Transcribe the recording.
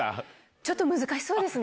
ちょっと難しそうですね。